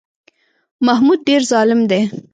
محمود ډېر ظالم دی.